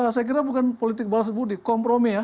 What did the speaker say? saya kira bukan politik balas budi kompromi ya